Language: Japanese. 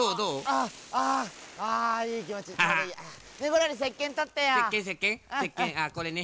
ああこれね。